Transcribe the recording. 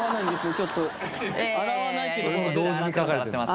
ちょっといやいや洗ってます